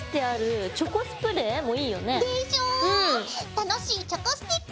楽しいチョコスティック